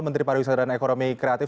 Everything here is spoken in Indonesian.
menteri pariwisata dan ekonomi kreatif